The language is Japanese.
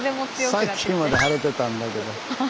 さっきまで晴れてたんだけど。